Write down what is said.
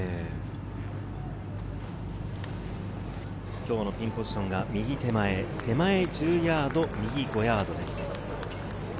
今日のピンポジションが右手前、手前１０ヤード、右５ヤードです。